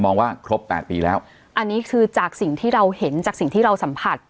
ว่าครบแปดปีแล้วอันนี้คือจากสิ่งที่เราเห็นจากสิ่งที่เราสัมผัส